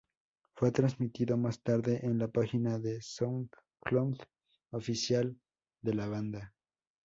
Fue transmitido más tarde en la página de Soundcloud oficial de la banda.